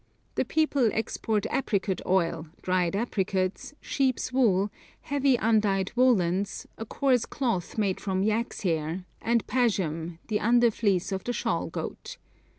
The people export apricot oil, dried apricots, sheep's wool, heavy undyed woollens, a coarse cloth made from yaks' hair, and pashm, the under fleece of the shawl goat.